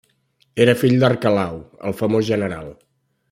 Era fill d'Arquelau, el famós general.